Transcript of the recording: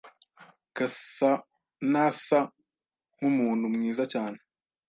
Gasanaasa nkumuntu mwiza cyane.